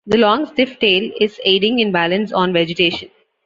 The long stiff tail is aiding in balance on vegetation.